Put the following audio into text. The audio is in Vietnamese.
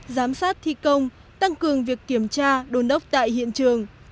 giám sát thi công tăng cường việc kiểm tra đồn đốc tại hiện trường